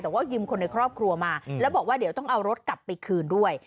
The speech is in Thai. แต่ว่ายืมคนในครอบครัวมาแล้วบอกว่าเดี๋ยวต้องเอารถกลับไปคืนด้วย